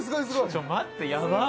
ちょっと待ってヤバっ。